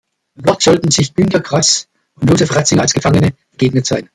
Dort sollen sich Günter Grass und Joseph Ratzinger als Gefangene begegnet sein.